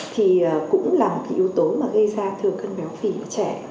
thì cũng là một cái yếu tố mà gây ra thừa cân béo phì cho trẻ